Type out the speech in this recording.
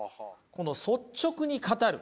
この率直に語る。